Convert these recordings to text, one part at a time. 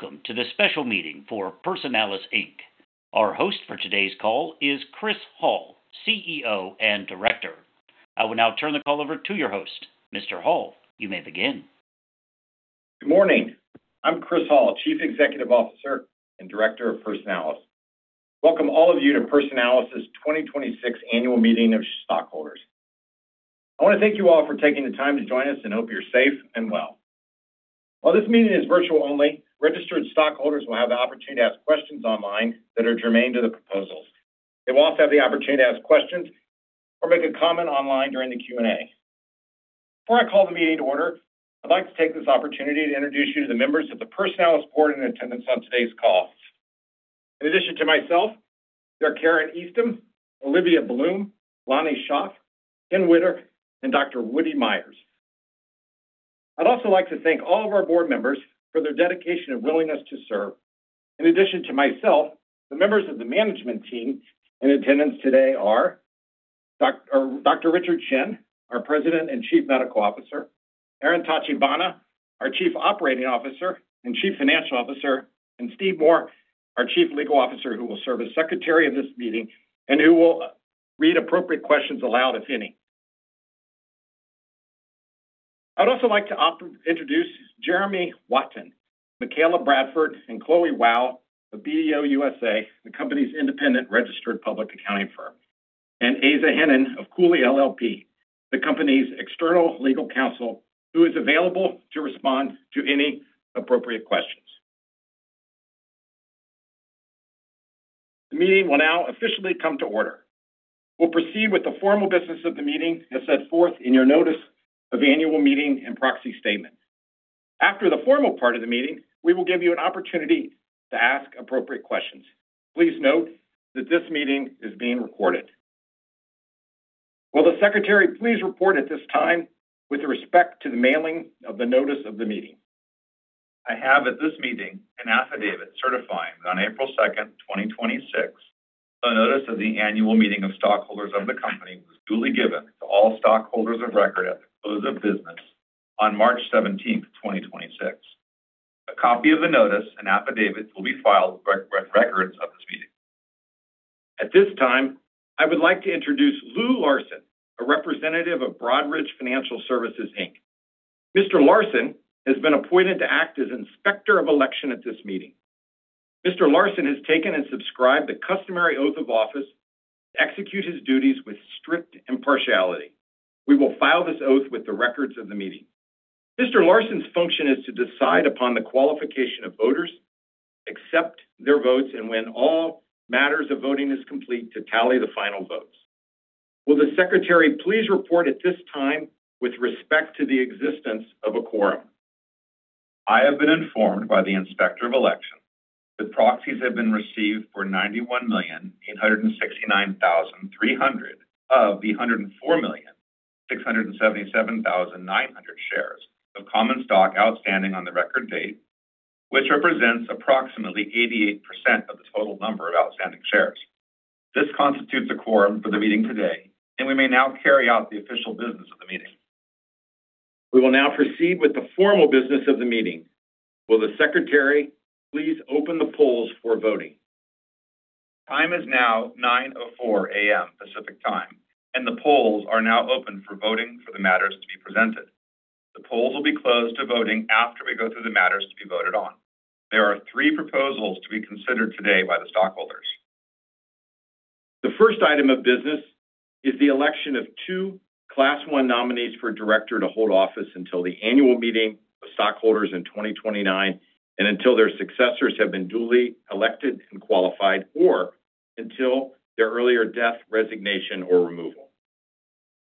Welcome to the special meeting for Personalis, Inc. Our host for today's call is Chris Hall, CEO and Director. I will now turn the call over to your host. Mr. Hall, you may begin. Good morning. I'm Chris Hall, Chief Executive Officer and Director of Personalis. Welcome all of you to Personalis' 2026 Annual Meeting of Stockholders. I wanna thank you all for taking the time to join us, and hope you're safe and well. While this meeting is virtual only, registered stockholders will have the opportunity to ask questions online that are germane to the proposals. They will also have the opportunity to ask questions or make a comment online during the Q&A. Before I call the meeting to order, I'd like to take this opportunity to introduce you to the members of the Personalis Board in attendance on today's call. In addition to myself, there are Karin Eastham, Olivia Bloom, Lonnie Shoff, Ken Widder, and Dr. Woody Myers. I'd also like to thank all of our Board members for their dedication and willingness to serve. In addition to myself, the members of the management team in attendance today are Richard Chen, our President and Chief Medical Officer, Aaron Tachibana, our Chief Operating Officer and Chief Financial Officer, and Stephen Moore, our Chief Legal Officer, who will serve as Secretary of this meeting and who will read appropriate questions aloud, if any. I'd also like to introduce Jeremy Watson, Makayla Bradford, and Chloe Lau, of BDO USA, the company's independent registered public accounting firm, and Asa Henin of Cooley LLP, the company's external legal counsel, who is available to respond to any appropriate questions. The meeting will now officially come to order. We'll proceed with the formal business of the meeting as set forth in your notice of annual meeting and proxy statement. After the formal part of the meeting, we will give you an opportunity to ask appropriate questions. Please note that this meeting is being recorded. Will the secretary please report at this time with respect to the mailing of the notice of the meeting? I have at this meeting an affidavit certifying that on April 2nd, 2026, the notice of the annual meeting of stockholders of the company was duly given to all stockholders of record at the close of business on March 17th, 2026. A copy of the notice and affidavit will be filed with records of this meeting. At this time, I would like to introduce Lou Larsen, a representative of Broadridge Financial Solutions, Inc. Mr. Larsen has been appointed to act as Inspector of Election at this meeting. Mr. Larsen has taken and subscribed the customary oath of office to execute his duties with strict impartiality. We will file this oath with the records of the meeting. Mr. Larsen's function is to decide upon the qualification of voters, accept their votes, and when all matters of voting is complete, to tally the final votes. Will the Secretary please report at this time with respect to the existence of a quorum? I have been informed by the inspector of election that proxies have been received for 91,869,300 of the 104,677,900 shares of common stock outstanding on the record date, which represents approximately 88% of the total number of outstanding shares. This constitutes a quorum for the meeting today, and we may now carry out the official business of the meeting. We will now proceed with the formal business of the meeting. Will the Secretary please open the polls for voting? Time is now 9:00 A.M. Pacific Time, and the polls are now open for voting for the matters to be presented. The polls will be closed to voting after we go through the matters to be voted on. There are three proposals to be considered today by the stockholders. The first item of business is the election of two class one nominees for director to hold office until the annual meeting of stockholders in 2029 and until their successors have been duly elected and qualified or until their earlier death, resignation, or removal.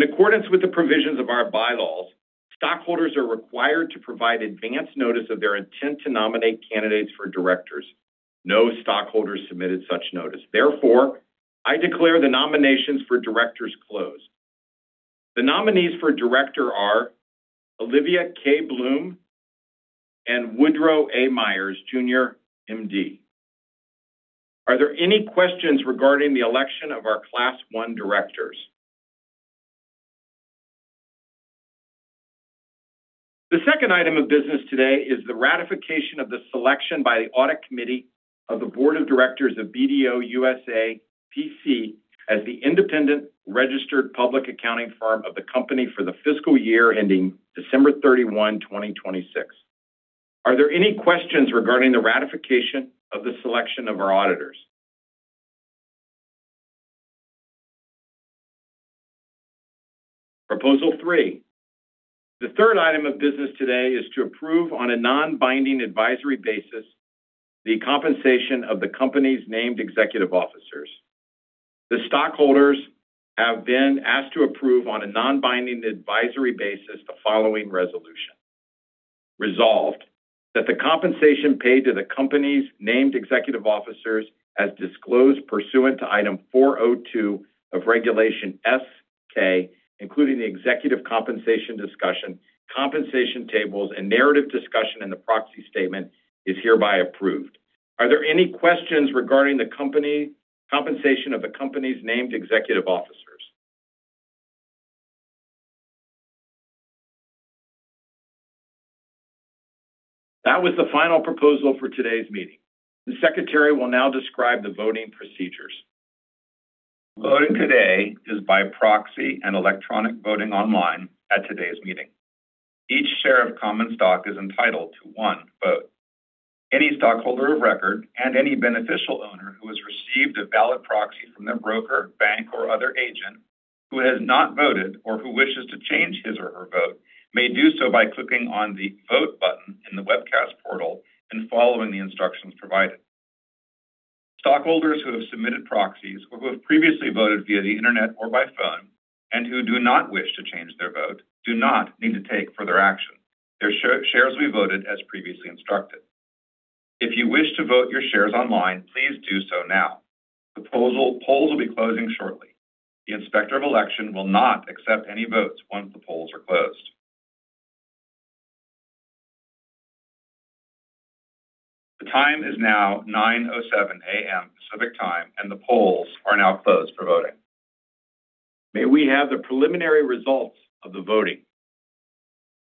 In accordance with the provisions of our bylaws, stockholders are required to provide advance notice of their intent to nominate candidates for directors. No stockholders submitted such notice. Therefore, I declare the nominations for directors closed. The nominees for director are Olivia K. Bloom and Woodrow A. Myers, Jr., MD. Are there any questions regarding the election of our class one directors? The second item of business today is the ratification of the selection by the audit committee of the board of directors of BDO USA, P.C. As the independent registered public accounting firm of the company for the fiscal year ending December 31, 2026. Are there any questions regarding the ratification of the selection of our auditors? Proposal three. The third item of business today is to approve on a non-binding advisory basis the compensation of the company's named executive officers. The stockholders have been asked to approve on a non-binding advisory basis the following resolution. Resolved, that the compensation paid to the company's named executive officers as disclosed pursuant to item 402 of Regulation S-K, including the executive compensation discussion, compensation tables, and narrative discussion in the proxy statement is hereby approved. Are there any questions regarding the compensation of the company's named executive officers? That was the final proposal for today's meeting. The Secretary will now describe the voting procedures. Voting today is by proxy and electronic voting online at today's meeting. Each share of common stock is entitled to one vote. Any stockholder of record and any beneficial owner who has received a valid proxy from their broker, bank, or other agent who has not voted or who wishes to change his or her vote may do so by clicking on the vote button in the webcast portal and following the instructions provided. Stockholders who have submitted proxies or who have previously voted via the Internet or by phone and who do not wish to change their vote do not need to take further action. Their shares will be voted as previously instructed. If you wish to vote your shares online, please do so now. Proposal polls will be closing shortly. The Inspector of Election will not accept any votes once the polls are closed. The time is now 9:07 A.M. Pacific Time, and the polls are now closed for voting. May we have the preliminary results of the voting?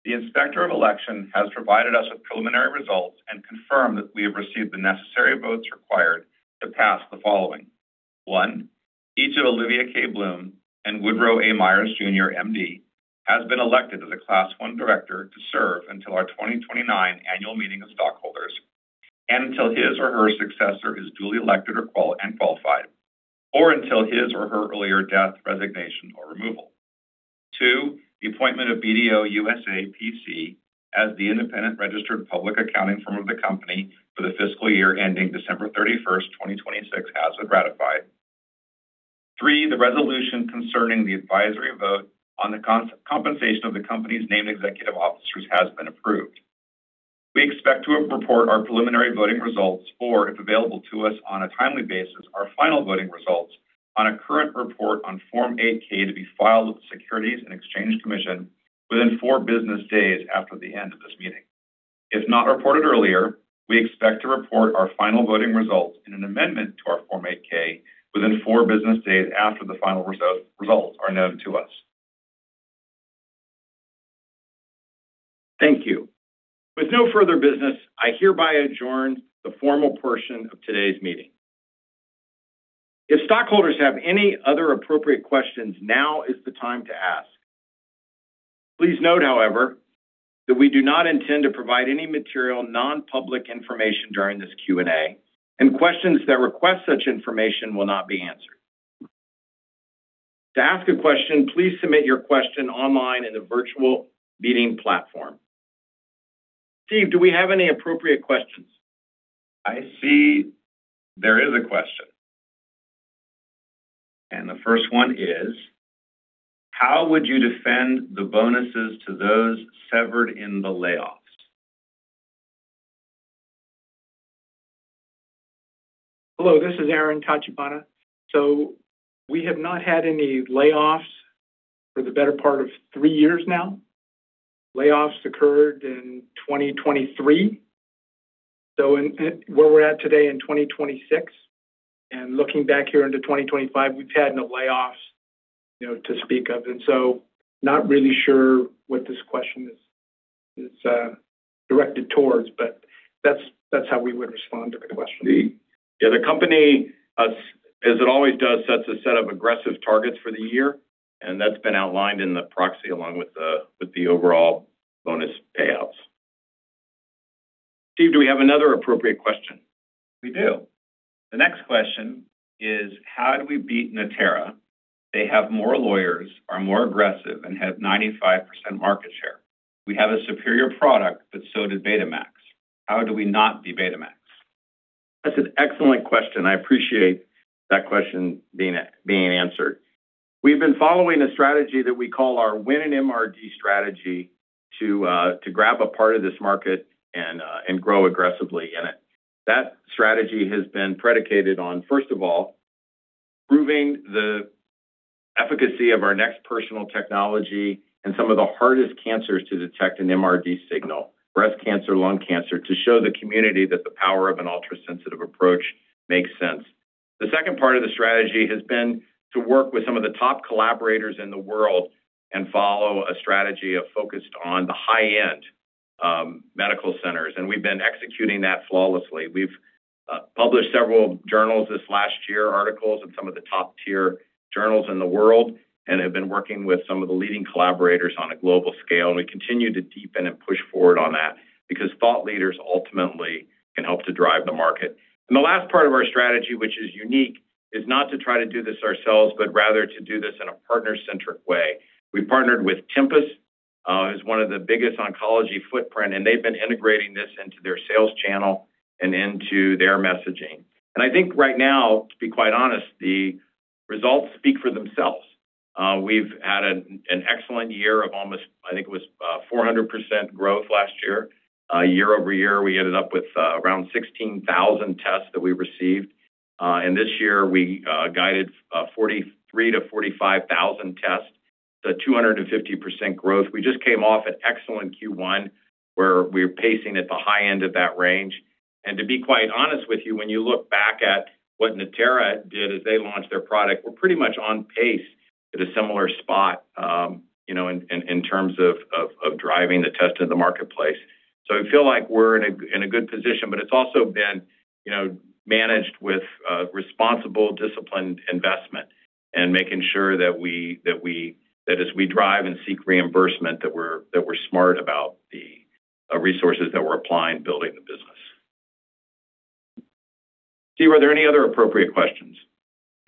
The Inspector of Election has provided us with preliminary results and confirmed that we have received the necessary votes required to pass the following. One, each of Olivia K. Bloom and Woodrow A. Myers Jr., MD, has been elected as a class one director to serve until our 2029 annual meeting of stockholders and until his or her successor is duly elected or qualified, or until his or her earlier death, resignation, or removal. Two, the appointment of BDO USA, P.C. as the independent registered public accounting firm of the company for the fiscal year ending December 31st, 2026 has been ratified. Three, the resolution concerning the advisory vote on the compensation of the company's named executive officers has been approved. We expect to report our preliminary voting results or, if available to us on a timely basis, our final voting results on a current report on Form 8-K to be filed with the Securities and Exchange Commission within four business days after the end of this meeting. If not reported earlier, we expect to report our final voting results in an amendment to our Form 8-K within four business days after the final results are known to us. Thank you. With no further business, I hereby adjourn the formal portion of today's meeting. If stockholders have any other appropriate questions, now is the time to ask. Please note, however, that we do not intend to provide any material non-public information during this Q&A, and questions that request such information will not be answered. To ask a question, please submit your question online in the virtual meeting platform. Steve, do we have any appropriate questions? I see there is a question. The first one is: How would you defend the bonuses to those severed in the layoffs? Hello, this is Aaron Tachibana. We have not had any layoffs for the better part of three years now. Layoffs occurred in 2023. In where we're at today in 2026 and looking back here into 2025, we've had no layoffs, you know, to speak of. Not really sure what this question is directed towards, but that's how we would respond to the question. Steve. Yeah, the company, as it always does, sets a set of aggressive targets for the year, and that's been outlined in the proxy along with the overall bonus payouts. Steve, do we have another appropriate question? We do. The next question is: How do we beat Natera? They have more lawyers, are more aggressive, and have 95% market share. We have a superior product, but so did Betamax. How do we not be Betamax? That's an excellent question. I appreciate that question being answered. We've been following a strategy that we call our win in MRD strategy to to grab a part of this market and and grow aggressively in it. That strategy has been predicated on, first of all, proving the efficacy of our NeXT Personal technology in some of the hardest cancers to detect an MRD signal, breast cancer, lung cancer, to show the community that the power of an ultrasensitive approach makes sense. The second part of the strategy has been to work with some of the top collaborators in the world and follow a strategy of focused on the high-end, medical centers, and we've been executing that flawlessly. We've published several journals this last year, articles in some of the top-tier journals in the world, and have been working with some of the leading collaborators on a global scale, and we continue to deepen and push forward on that because thought leaders ultimately can help to drive the market. The last part of our strategy, which is unique, is not to try to do this ourselves, but rather to do this in a partner-centric way. We've partnered with Tempus, who's one of the biggest oncology footprint, and they've been integrating this into their sales channel and into their messaging. I think right now, to be quite honest, the results speak for themselves. We've had an excellent year of almost, I think it was, 400% growth last year. Year-over-year, we ended up with around 16,000 tests that we received. And this year we guided 43,000-45,000 tests, so 250% growth. We just came off an excellent Q1 where we're pacing at the high end of that range. To be quite honest with you, when you look back at what Natera did as they launched their product, we're pretty much on pace at a similar spot, you know, in terms of driving the test in the marketplace. I feel like we're in a good position, but it's also been, you know, managed with responsible disciplined investment and making sure that as we drive and seek reimbursement that we're smart about the resources that we're applying building the business. Steve, are there any other appropriate questions?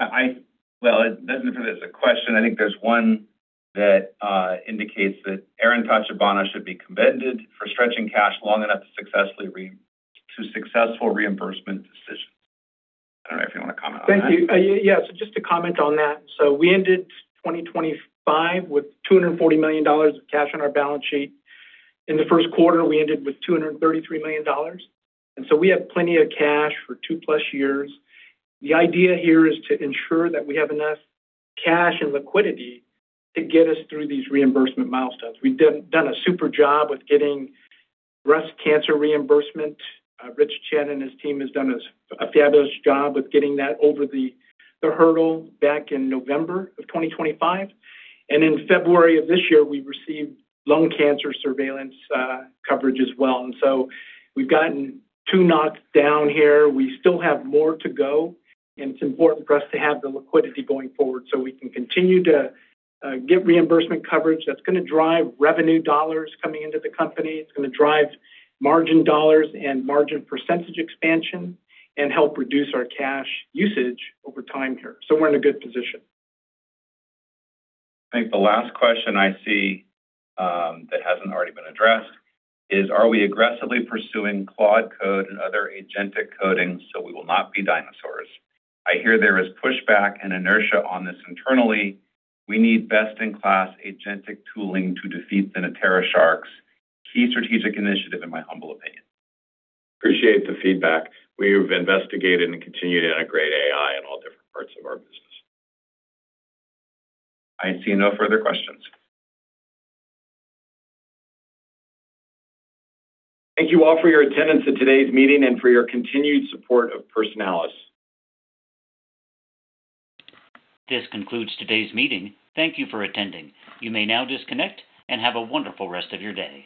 Well, it doesn't appear there's a question. I think there's one that indicates that Aaron Tachibana should be commended for stretching cash long enough to successful reimbursement decisions. I don't know if you want to comment on that? Thank you. Yes, just to comment on that. We ended 2025 with $240 million of cash on our balance sheet. In Q1, we ended with $233 million, we have plenty of cash for 2+ years. The idea here is to ensure that we have enough cash and liquidity to get us through these reimbursement milestones. We've done a super job with getting breast cancer reimbursement. Richard Chen and his team has done a fabulous job with getting that over the hurdle back in November of 2025. In February of this year, we received lung cancer surveillance coverage as well. We've gotten two knocks down here. We still have more to go. It's important for us to have the liquidity going forward so we can continue to get reimbursement coverage that's gonna drive revenue dollars coming into the company. It's gonna drive margin dollars and margin percent expansion and help reduce our cash usage over time here. We're in a good position. I think the last question I see, that hasn't already been addressed is, are we aggressively pursuing Claude Code and other agentic coding, so we will not be dinosaurs? I hear there is pushback and inertia on this internally. We need best-in-class agentic tooling to defeat the Natera sharks. Key strategic initiative in my humble opinion. Appreciate the feedback. We've investigated and continue to integrate AI in all different parts of our business. I see no further questions. Thank you all for your attendance at today's meeting and for your continued support of Personalis. This concludes today's meeting. Thank you for attending. You may now disconnect and have a wonderful rest of your day.